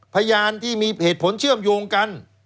พยานที่มีเหตุผลเชื่อมโยงกัน